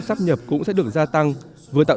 sắp nhập cũng sẽ được gia tăng vừa tạo